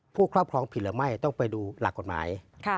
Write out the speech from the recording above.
ครอบครองผิดหรือไม่ต้องไปดูหลักกฎหมาย